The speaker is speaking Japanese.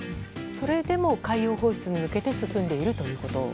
それでも海洋放出に向けて進んでいると。